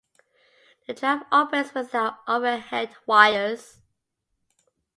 The tram operates without overhead wires.